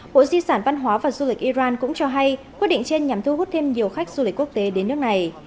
bộ di sản văn hóa và du lịch iran cũng cho hay quyết định trên nhằm thu hút thêm nhiều khách du lịch quốc tế đến nước này